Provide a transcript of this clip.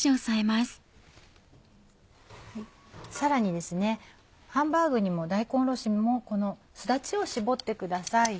さらにハンバーグにも大根おろしにもこのすだちを搾ってください。